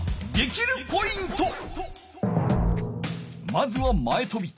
まずは前とび。